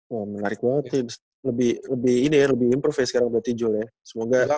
wah menarik banget lebih ini ya lebih improve sekarang buat ijul ya